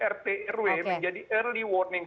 rtrw menjadi early warning